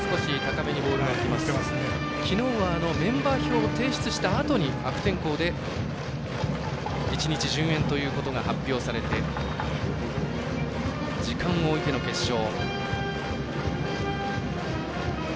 きのうはメンバー表を提出したあとに悪天候で１日順延ということが発表されて時間を置いての決勝。